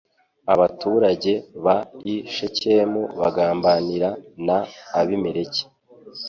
abaturage b i Shekemu bagambanira n Abimeleki